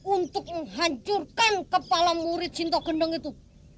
untuk menghancurkan kepala murid sinto kendeng itu